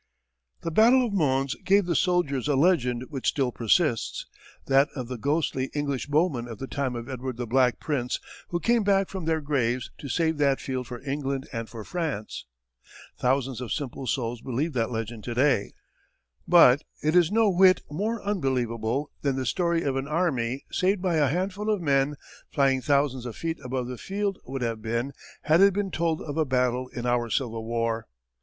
The battle of Mons gave the soldiers a legend which still persists that of the ghostly English bowmen of the time of Edward the Black Prince who came back from their graves to save that field for England and for France. Thousands of simple souls believe that legend to day. But it is no whit more unbelievable than the story of an army saved by a handful of men flying thousands of feet above the field would have been had it been told of a battle in our Civil War.